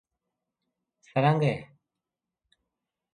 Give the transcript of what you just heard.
څرنګه یې؟